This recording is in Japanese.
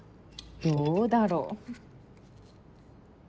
どうだろう？